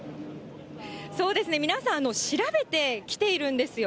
そうですね、皆さん、調べてきているんですよ。